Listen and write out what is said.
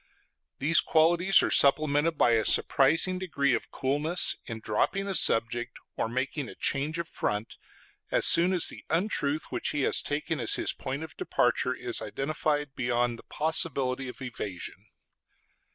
These qualities are supplemented by a surprising degree of coolness in dropping a subject or making a change of front, as soon as the untruth which he has taken as his point of departure is identified beyond the possibility of evasion.